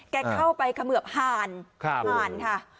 แกเข้าไปเขมือบห่านห่านค่ะ